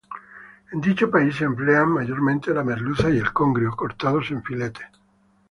En dicho país se emplean mayormente la merluza y el congrio, cortados en filetes.